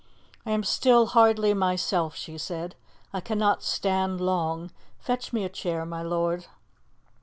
"I am still hardly myself," she said. "I cannot stand long. Fetch me a chair, my lord."